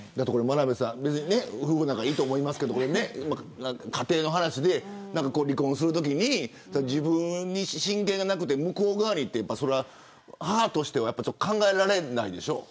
眞鍋さん夫婦仲はいいと思いますけど家庭の話で離婚をするときに自分に親権がなくて向こう側にって母としては考えられないでしょ。